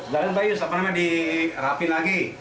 dari bayu apa namanya dirapin lagi